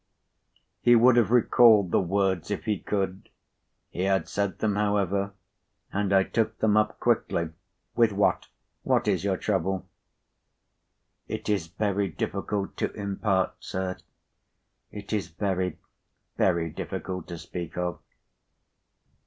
He would have recalled the words if he could. He had said them, however, and I took them up quickly. "With what? What is your trouble?" "It is very difficult to impart, sir. It is very, very, difficult to speak of.